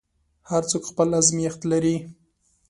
هر څوک خپل ازمېښت لري.